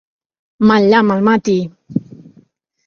Mal llamp el mati!